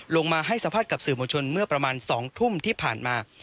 ลงมาให้สัมภาษณ์กับสื่อมวลชนเมื่อประมาณ๒ทุ่มที่ผ่านมา